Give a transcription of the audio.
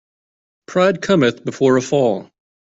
Pride cometh before a fall.